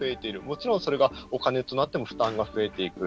もちろん、それがお金となっても負担が増えていく。